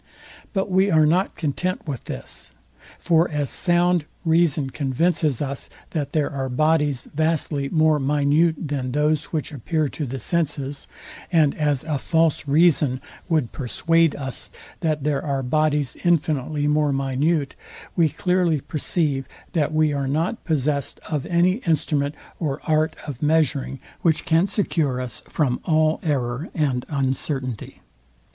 But we are not content with this. For as sound reason convinces us that there are bodies vastly more minute than those, which appear to the senses; and as a false reason would perswade us, that there are bodies infinitely more minute; we clearly perceive, that we are not possessed of any instrument or art of measuring, which can secure us from ill error and uncertainty.